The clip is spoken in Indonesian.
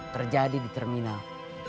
terjadi di terminal